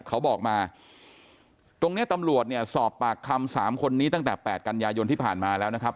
เขาบอกมาตรงเนี้ยตำรวจเนี่ยสอบปากคำสามคนนี้ตั้งแต่๘กันยายนที่ผ่านมาแล้วนะครับ